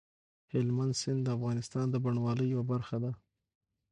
هلمند سیند د افغانستان د بڼوالۍ یوه برخه ده.